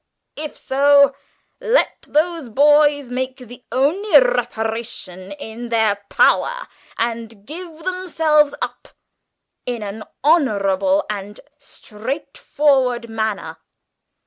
If so, let those boys make the only reparation in their power, and give themselves up in an honourable and straightforward manner!"